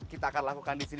kita akan lakukan di sini